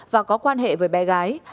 và có quan hệ với bé gái